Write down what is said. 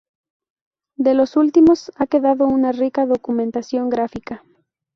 De los últimos ha quedado una rica documentación gráfica.